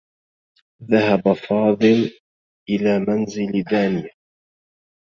ذهب فاضل إلى منزل دانية.